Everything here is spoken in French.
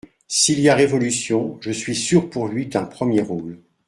S'il y a révolution, je suis sûre pour lui d'un premier rôle.